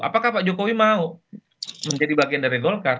apakah pak jokowi mau menjadi bagian dari golkar